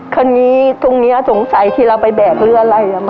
ตรงนี้ตรงนี้สงสัยที่เราไปแบกหรืออะไร